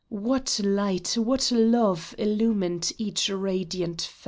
What light, what love illumed each radiant face